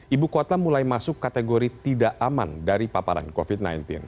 ibu kota mulai masuk kategori tidak aman dari paparan covid sembilan belas